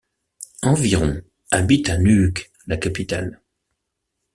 Environ habitent à Nuuk, la capitale.